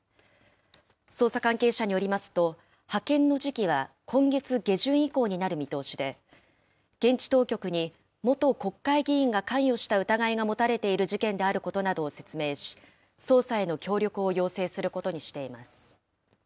捜査関係者によりますと、派遣の時期は今月下旬以降になる見通しで、現地当局に元国会議員が関与した疑いが持たれている事件であることなどを説明し、捜査への協力を要請することにしています。